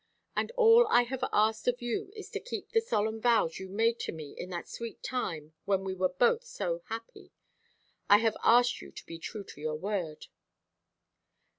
And all I have asked of you is to keep the solemn vows you made to me in that sweet time when we were both so happy. I have asked you to be true to your word."